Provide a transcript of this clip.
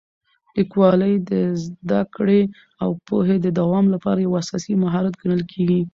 لیکوالی د زده کړې او پوهې د دوام لپاره یو اساسي مهارت ګڼل کېږي.